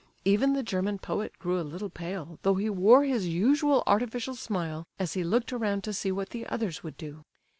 Even the German poet grew a little pale, though he wore his usual artificial smile as he looked around to see what the others would do.